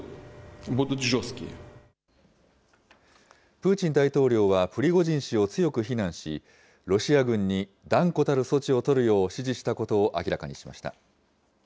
プーチン大統領は、プリゴジン氏を強く非難し、ロシア軍に断固たる措置を取るよう指示したことを明らかにしました。